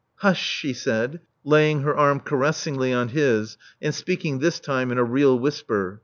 '' Hush," she said, laying her arm caressingly on his, and speaking this time in a real whisper.